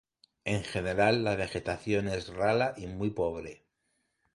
En general, la vegetación es rala y muy pobre.